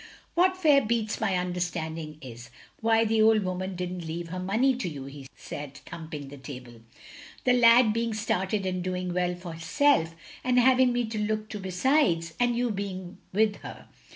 "What fair beats my understanding is — ^why the old woman didn't leave her money to you," he said, thtmiping the table. "The lad being started and doing well for hisself, and having me to look to besides, and you being with her.